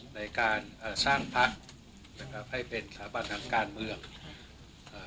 ในการเอ่อสร้างพักนะครับให้เป็นสถาบันทางการเมืองเอ่อ